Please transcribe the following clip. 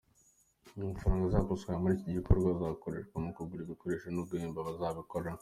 Amafaranga azakusanywa muri iki gikorwa azakoreshwa mu kugura ibikoresho no guhemba abazikoraho.